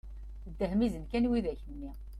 Dehmiẓen kan widak nni!